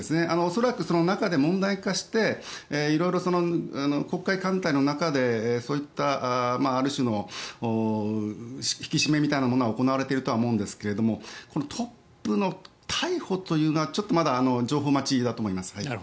恐らく、中で問題化して黒海艦隊の中でそういったある種の引き締めみたいなものは行われているとは思うんですがトップの逮捕というのはちょっとまだ情報待ちだと思います。